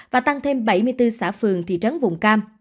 và tăng thêm bảy mươi bốn xã phường thị trấn vùng cam